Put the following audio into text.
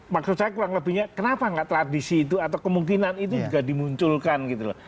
maksud saya kurang lebihnya kenapa nggak tradisi itu atau kemungkinan itu juga dimunculkan gitu loh